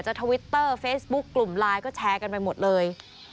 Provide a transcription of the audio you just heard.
ทวิตเตอร์เฟซบุ๊คกลุ่มไลน์ก็แชร์กันไปหมดเลย